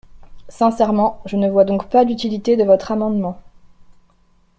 Sincèrement, je ne vois donc pas l’utilité de votre amendement.